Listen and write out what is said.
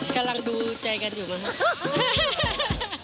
กำลังดูใจกันอยู่มาก